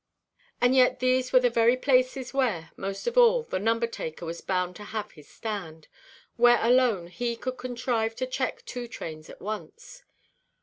And yet these were the very places where, most of all, the "number–taker" was bound to have his stand—where alone he could contrive to check two trains at once.